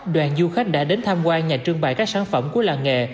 đoàn du khách đã đến tham quan nhà trương bài các sản phẩm của làng nghề